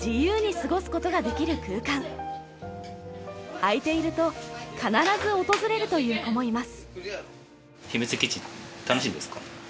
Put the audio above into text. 開いていると必ず訪れるという子もいます。